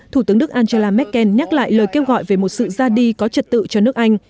thủ tướng đức angela merkel nhắc lại lời kêu gọi về một sự ra đi có trật tự cho nước anh